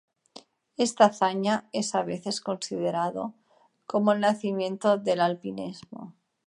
Esta "hazaña" es a veces considerado como el nacimiento del alpinismo.